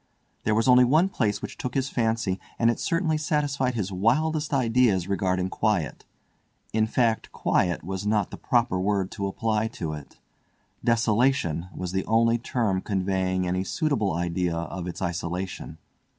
There was only one place which took his fancy, and it certainly satisfied his wildest ideas regarding quiet; in fact, quiet was not the proper word to apply to it—desolation was the only term conveying any suitable idea of its isolation.